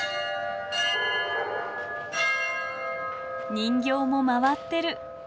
人形も回ってる。